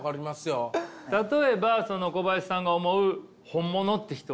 例えばその小林さんが思う本物って人は？